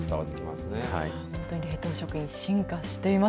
本当に冷凍食品、進化しています。